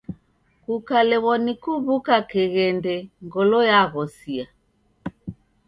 Kukalemwa ni kuw'uka keghende, ngolo yaghosia.